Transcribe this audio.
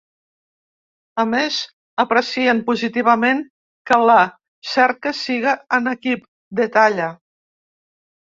A més, aprecien positivament que la cerca siga en equip, detalla.